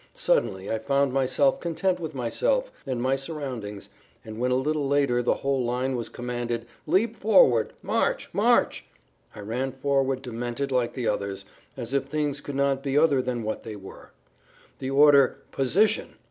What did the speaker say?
Suddenly I found myself content with myself and my surroundings, and when a little later the whole line was commanded, "Leap forward! March, march!" I ran forward demented like the others, as if things could not be other than what they were. The order, "Position!"